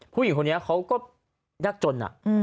ผู้หญิงคนนี้เขาก็ยากจน